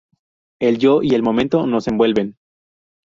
El yo y el momento nos envuelven.